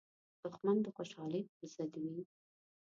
دښمن د خوشحالۍ پر ضد وي